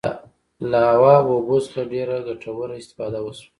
له هوا او اوبو څخه ډیره ګټوره استفاده وشوه.